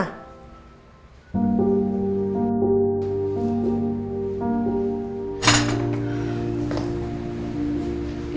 kamu mau yang mana